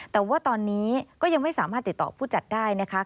แต่ว่าตอนนี้ก็ยังไม่สามารถติดต่อผู้จัดได้นะคะ